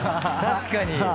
確かに！